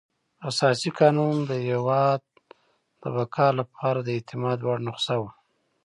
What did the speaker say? اساسي قانون د هېواد د بقا لپاره د اعتماد وړ نسخه وه.